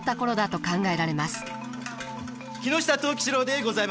木下藤吉郎でございます。